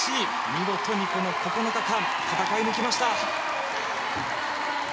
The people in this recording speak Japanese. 見事にこの９日間戦い抜きました。